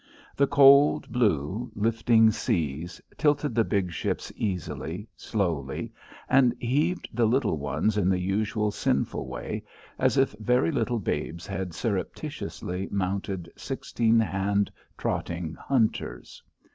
The cold blue, lifting seas tilted the big ships easily, slowly, and heaved the little ones in the usual sinful way, as if very little babes had surreptitiously mounted sixteen hand trotting hunters.